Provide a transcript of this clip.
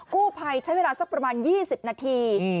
กู้ภัยใช้เวลาสักประมาณ๒๐นาที